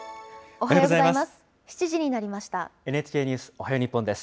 おはようございます。